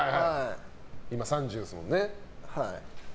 今、３０ですもんね。